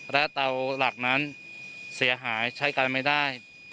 และเตาหลักนั้นเสียหายใช้กันไม่ได้